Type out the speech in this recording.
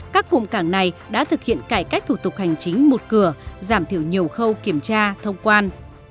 các cụm cảng này đã thực hiện cải cách thủ tục hành chính một cửa giảm thiểu nhiều khâu kiểm tra thông quan